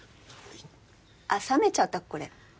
あっ冷めちゃったこれ。